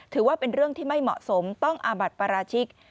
ถือว่าเป็นเรื่องที่ไม่เหมาะสมต้องอาบัติปราชิก